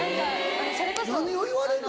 何を言われんの？